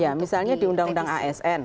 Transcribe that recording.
ya misalnya di undang undang asn